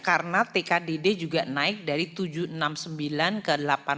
karena tkdd juga naik dari tujuh ratus enam puluh sembilan ke delapan ratus empat delapan